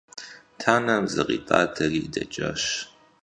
Танэм зыкъитӀатэри дэкӀащ.